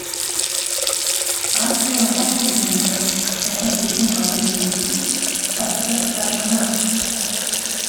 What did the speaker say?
Оскарын улаан хивсний ёслолд алдартнууд хэрхэн гоёж ирснийг үзэж, хувцаслалтдаа санаа авах дуртай.